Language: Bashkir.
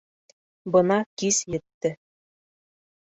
Бына кис етте.